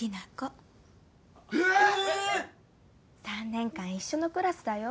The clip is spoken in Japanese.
３年間一緒のクラスだよ。